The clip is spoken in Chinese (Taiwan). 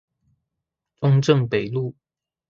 中正北路